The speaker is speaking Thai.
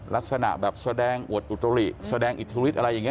ลักษณะแบบแสดงอวดอุตริแสดงอิทธิฤทธิอะไรอย่างนี้